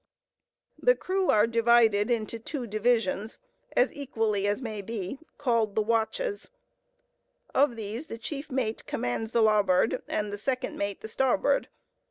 The crew are divided into two divisions, as equally as may be, called the watches. Of these the chief mate commands the larboard, and the second mate the starboard.